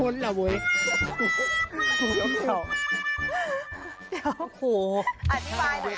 น่ากลุกของไอ้ไหล่มาสิยกเฉาอ้อมโรงเรียน